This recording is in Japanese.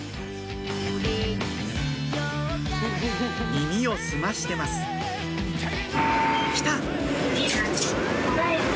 耳を澄ましてます来た！